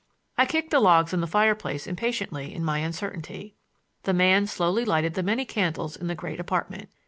I kicked the logs in the fireplace impatiently in my uncertainty. The man slowly lighted the many candles in the great apartment.